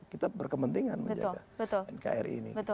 kita berkepentingan menjaga nkri ini